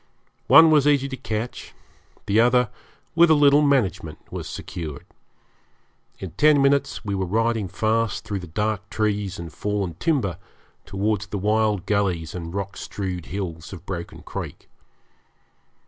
One was easy to catch, the other with a little management was secured. In ten minutes we were riding fast through the dark trees and fallen timber towards the wild gullies and rock strewed hills of Broken Creek.